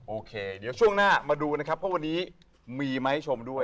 โอเคเดี๋ยวช่วงหน้ามาดูนะครับว่าวันนี้มีมาให้ชมด้วย